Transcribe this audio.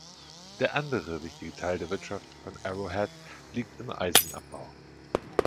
Der andere wichtige Teil der Wirtschaft von Arrowhead liegt im Eisenabbau.